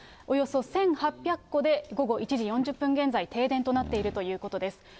およそ１８００戸で、午後１時４０分現在、停電となっているということです。